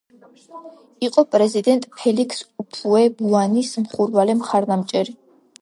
იყო პრეზიდენტ ფელიქს უფუე-ბუანის მხურვალე მხარდამჭერი.